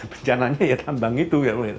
bencananya ya tambang itu